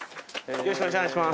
よろしくお願いします。